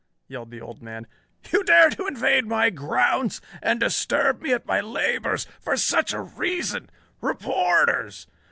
yelled the old man. "You dare to invade my grounds and disturb me at my labors for such a reason? Reporters!